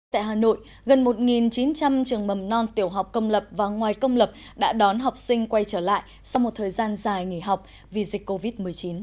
tại hà nội gần một chín trăm linh trường mầm non tiểu học công lập và ngoài công lập đã đón học sinh quay trở lại sau một thời gian dài nghỉ học vì dịch covid một mươi chín